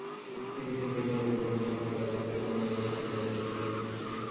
তিনি সিলেট নগরের বনকলা পাড়া এলাকায় মামার বাসায় থেকে রাজমিস্ত্রির কাজ শিখতেন।